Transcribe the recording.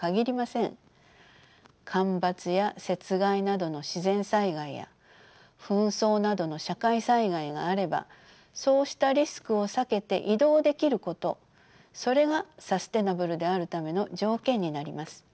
干ばつや雪害などの自然災害や紛争などの社会災害があればそうしたリスクを避けて移動できることそれがサステナブルであるための条件になります。